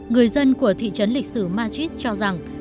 người dân của thị trấn lịch sử matris cho rằng